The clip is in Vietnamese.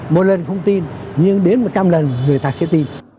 một lần không tin nhưng đến một trăm linh lần người ta sẽ tin